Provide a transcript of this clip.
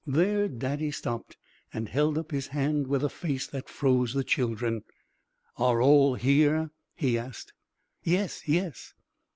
There Daddy stopped and held up his hand with a face that froze the children. "Are all here?" he asked. "Yes, yes."